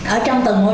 ở trong từ ngôi